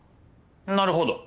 なるほど。